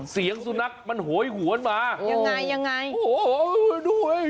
เสียงสุนัขมันโหยหวนมายังไงโอ้โหด้วยโอ้โหด้วย